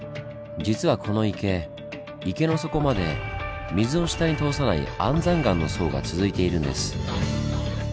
実はこの池池の底まで水を下に通さない安山岩の層が続いているんです。